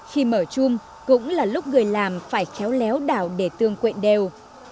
khi mở chung cũng là lúc người làm phải khéo léo đảo để tương quện đều